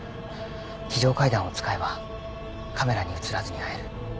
非常階段を使えばカメラに映らずに会える。